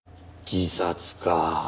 自殺か。